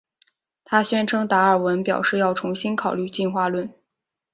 她宣称达尔文表示要重新考虑进化论。